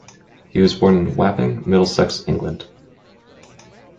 He was born in Wapping, Middlesex, England.